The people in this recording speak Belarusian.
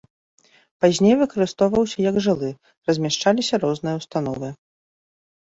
Пазней выкарыстоўваўся як жылы, размяшчаліся розныя установы.